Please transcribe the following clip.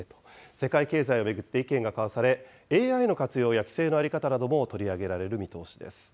世界経済を巡って意見が交わされ、ＡＩの活用や規制の在り方なども取り上げられる見通しです。